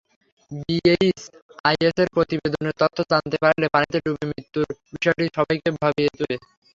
বিএইচআইএসের প্রতিবেদনের তথ্য জানতে পারলে পানিতে ডুবে মৃত্যুর বিষয়টি সবাইকেই ভাবিয়ে তুলবে।